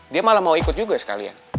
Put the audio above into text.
dia malah mau ikut juga sekalian